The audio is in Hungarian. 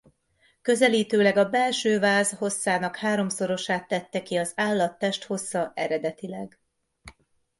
Közelítőleg a belső váz hosszának háromszorosát tette ki az állat testhossza eredetileg.